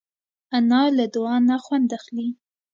انا له دعا نه خوند اخلي